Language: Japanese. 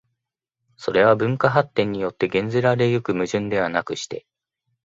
それは文化発展によって減ぜられ行く矛盾ではなくして、